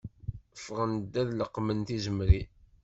Ffɣen ad leqmen tizemrin